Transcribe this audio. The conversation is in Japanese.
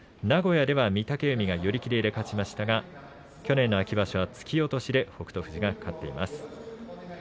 名古屋では御嶽海が寄り切りで勝ちましたが去年の秋場所は引き落としで北勝富士が勝っています。